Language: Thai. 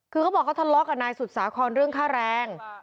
คือเขาบอกเขาทะเลาะกับนายสุดสาครเรื่องค่าแรง